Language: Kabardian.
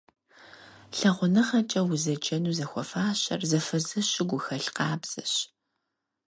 ЛъагъуныгъэкӀэ узэджэну зыхуэфащэр зэфэзэщу гухэлъ къабзэщ.